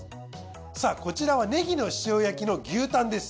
さあこちらはネギの塩焼きの牛タンです。